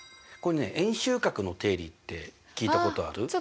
これね「円周角の定理」って聞いたことある？